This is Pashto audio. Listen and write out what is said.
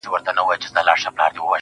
o چاته يې لمنه كي څـه رانــه وړل.